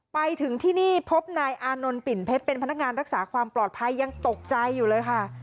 ไปถึงที่นี่พบนายอานนท์ปิ่นเพชรเป็นพนักงานรักษาความปลอดภัยยังตกใจอยู่เลยค่ะ